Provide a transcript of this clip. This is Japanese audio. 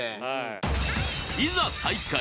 いざ再開。